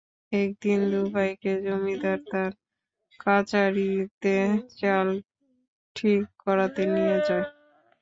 একদিন দুই ভাইকে জমিদার তার কাচারিতে চাল ঠিক করাতে নিয়ে যায়।